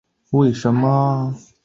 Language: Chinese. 岩手县盛冈市出身。